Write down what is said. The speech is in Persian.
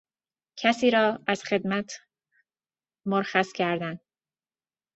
کسی را از خدمت خرخص کردن